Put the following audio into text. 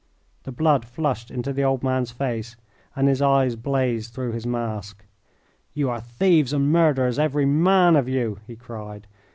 The blood flushed into the old man's face and his eyes blazed through his mask. "You are thieves and murderers, every man of you," he cried.